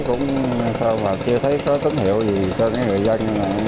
cũng sao mà chưa thấy có tín hiệu gì cho cái người dân